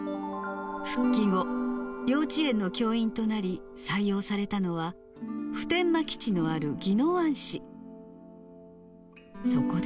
復帰後、幼稚園の教員となり、採用されたのは、普天間基地のある宜野湾市。